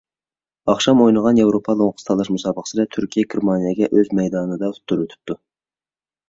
ئاخشام ئوينىغان ياۋروپا لوڭقىسى تاللاش مۇسابىقىسىدە تۈركىيە گېرمانىيەگە ئۆز مەيدانىدا ئۇتتۇرۇۋېتىپتۇ.